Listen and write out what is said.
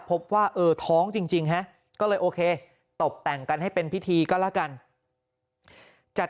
พบว่าเออท้องจริงฮะก็เลยโอเคตบแต่งกันให้เป็นพิธีก็แล้วกันจัด